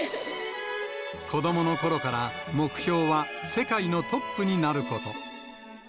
子どものころから、目標は世界のトップになること。